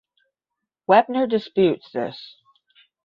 Wepner disputes this.